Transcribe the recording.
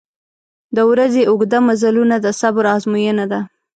• د ورځې اوږده مزلونه د صبر آزموینه ده.